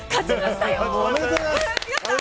おめでとうございます！